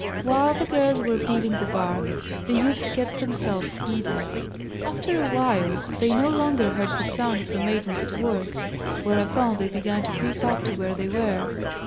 While the girls were peeling the bark, the youths kept themselves hidden. After awhile they no longer heard the sound of the maidens at work. Whereupon they began to creep up to where they were.